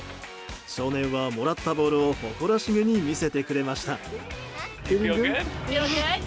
少年は、もらったボールを誇らしげに見せてくれました。